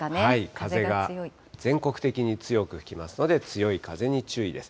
風が全国的に強く吹きますので、強い風に注意です。